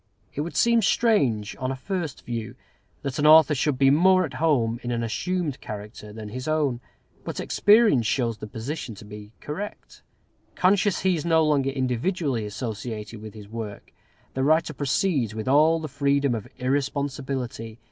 It would seem strange, on a first view, that an author should be more at home in an assumed character than his own. But experience shows the position to be correct. Conscious he is no longer individually associated with his work, the writer proceeds with all the freedom of irresponsibility.